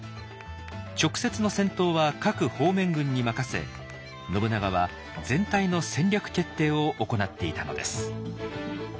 直接の戦闘は各方面軍に任せ信長は全体の戦略決定を行っていたのです。